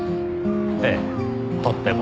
ええとっても。